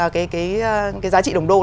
cái giá trị đồng đô